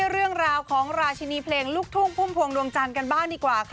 เรื่องราวของราชินีเพลงลูกทุ่งพุ่มพวงดวงจันทร์กันบ้างดีกว่าค่ะ